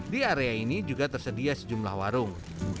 di area ini juga tersedia sejumlah warung